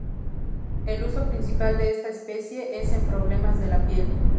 El uso principal de esta especie es en problemas de la piel.